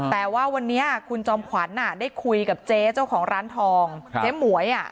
แต่ว่าวันนี้คุณจอมขวัญได้คุยกับเจ๊เจ้าของร้านทองเจ๊หมวยอ่ะ